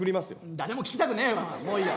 誰も聴きたくねえわもういいわ。